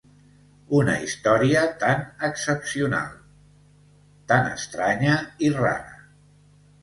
Una història tan excepcional, tan estranya i rara